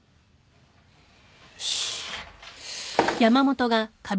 よし。